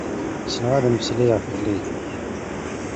Ssneɣ ad meslayeɣ tutlayt-ik.